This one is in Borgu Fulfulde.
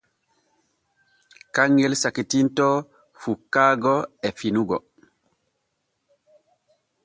Kanŋel sakitintoo fukkaago e finugo.